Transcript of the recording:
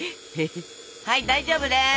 はい大丈夫です。